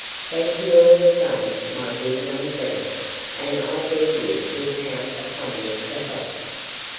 Thank you all the same, my dear young friend, and I beg you will count upon me for help."